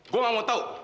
gue gak mau tau